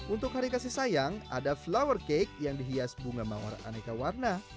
untuk hari kasih sayang ada flower cake yang dihias bunga mawar aneka warna